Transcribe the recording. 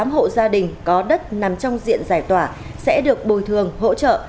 một mươi tám hộ gia đình có đất nằm trong diện giải tỏa sẽ được bồi thường hỗ trợ